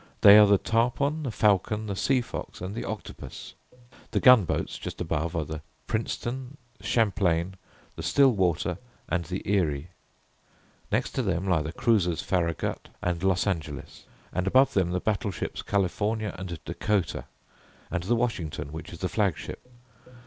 They are the Tarpon, the Falcon, the Sea Fox, and the Octopus. The gun boats just above are the Princeton, the Champlain, the Still Water and the Erie. Next to them lie the cruisers Faragut and Los Angeles, and above them the battle ships California, and Dakota, and the Washington which is the flag ship.